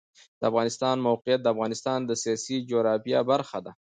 د افغانستان د موقعیت د افغانستان د سیاسي جغرافیه برخه ده.